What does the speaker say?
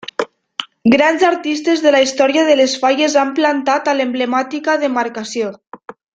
Grans artistes de la història de les Falles han plantat a l'emblemàtica demarcació.